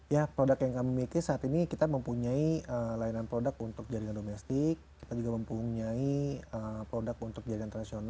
ya produk yang kami miliki saat ini kita mempunyai layanan produk untuk jaringan domestik kita juga mempunyai produk untuk jaringan internasional